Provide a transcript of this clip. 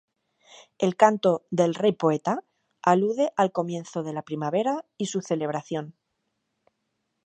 El Canto del Rey Poeta alude al comienzo de la Primavera y su celebración.